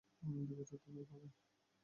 দুই বছরেরই তো ব্যাপার।